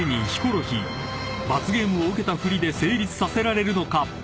［罰ゲームを受けたふりで成立させられるのか？］